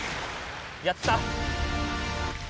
やった！